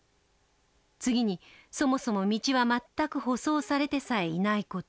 次にそもそも道は全く舗装されてさえいない事。